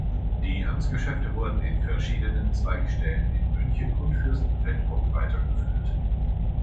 Die Amtsgeschäfte wurden in verschiedenen Zweigstellen in München und Fürstenfeldbruck weitergeführt.